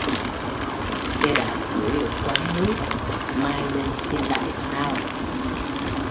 Xe đạp gửi ở quán nước Mai lên xin lại sau